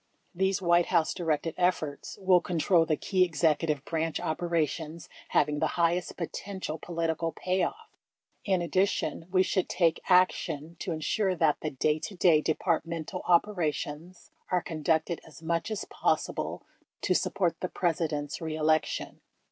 These White House directed efforts will control the key Executive Branch operations havmg the highest potential political payoff. In addition, we should take action to ensure that the day to day Departmental operations are conducted as much as possible to support the Presi dent's re election.